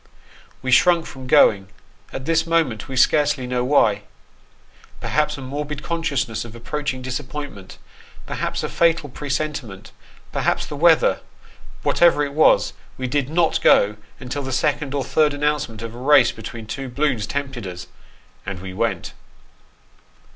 We shrunk from going; at this moment we scarcely know why. Perhaps a morbid consciousness of approaching disappointment perhaps a fatal presentiment perhaps the weather ; whatever it was, we did not go until the second or third announcement of a race between two balloons tempted us, and we went.